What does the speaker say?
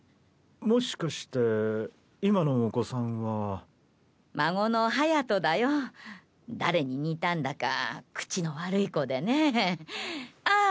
もしかして今のお子さんは孫の隼だよ誰に似たんだか口の悪い子でねああ